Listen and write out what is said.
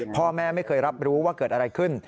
พ่อแม่ไม่เคยรับรู้ว่าเกิดอะไรขึ้น